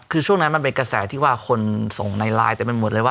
คือช่วงนั้นมันเป็นกระแสที่ว่าคนส่งในไลน์เต็มไปหมดเลยว่า